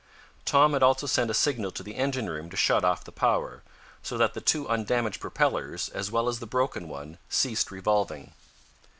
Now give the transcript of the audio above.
Tom had also sent a signal to the engine room to shut off the power, so that the two undamaged propellers, as well as the broken one, ceased revolving.